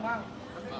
masih nanti ngerokok